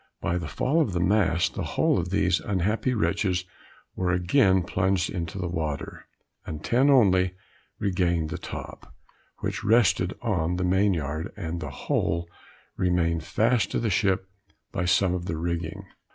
By the fall of the mast the whole of these unhappy wretches were again plunged into the water, and ten only regained the top, which rested on the main yard, and the whole remained fast to the ship by some of the rigging.